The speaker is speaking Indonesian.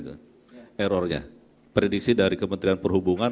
errornya prediksi dari kementerian perhubungan